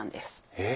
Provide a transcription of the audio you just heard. えっ？